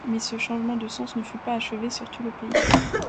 Mais ce changement de sens ne fut pas achevé sur tout le pays.